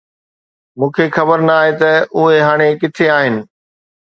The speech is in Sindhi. مون کي خبر ناهي ته اهي هاڻي ڪٿي آهن.